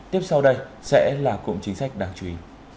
tiếp sau đây sẽ là cụm chính sách đáng chú ý